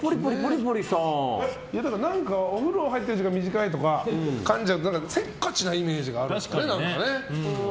お風呂入ってる時間が短いとかかんじゃうとか、せっかちなイメージがあるんですね。